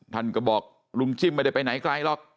ท่านก็บอกลุงจิ้มไม่ได้ไปไหนไกลหรอก